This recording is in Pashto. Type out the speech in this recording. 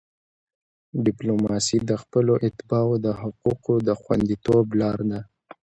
ډیپلوماسي د خپلو اتباعو د حقوقو د خوندیتوب لار ده.